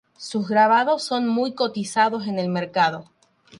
Sus grabados son muy cotizados en el mercado.